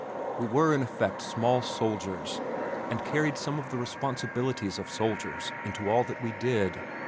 We were in effect small soldiers and carried some of the responsibilities of soldiers into all that we did.